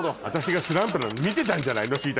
私がスランプなの見てたんじゃないの？